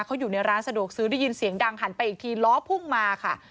เขาอยู่ในร้านสะดวกซื้อได้ยินเสียงดังหันไปอีกทีล้อพุ่งมาค่ะ